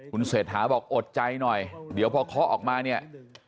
คุณเศรษฐาบอกอดใจหน่อยเดี๋ยวพอเคาะออกมาเนี่ย